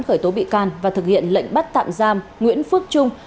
khởi tố bị can và thực hiện lệnh bắt tạm giam nguyễn phước trung